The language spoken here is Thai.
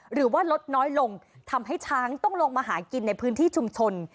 หรือว่าลดน้อยลงทำให้ช้างต้องลงมาหากินในพื้นที่ชุมชน